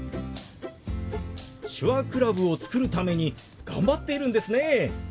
手話クラブを作るために頑張っているんですね。